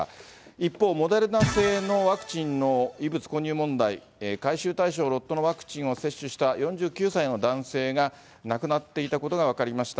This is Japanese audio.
一方、モデルナ製のワクチンの異物混入問題、回収対象ロットのワクチンを接種した４９歳の男性が亡くなっていたことが分かりました。